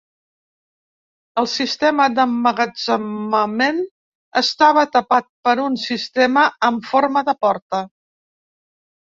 El sistema d'emmagatzemament estava tapat per un sistema amb forma de porta.